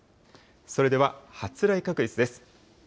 それでは発雷確率です。